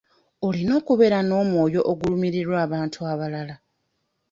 Olina okubeera n'omwoyo ogulumirirwa abantu abalala.